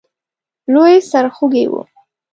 لوی سرخوږی وو.